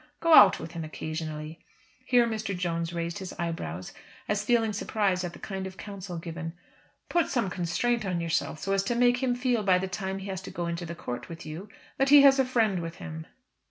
Go out with him occasionally." Here Mr. Jones raised his eyebrows as feeling surprised at the kind of counsel given. "Put some constraint on yourself so as to make him feel by the time he has to go into court with you that he has a friend with him."